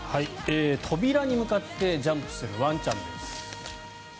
扉に向かってジャンプするワンちゃんです。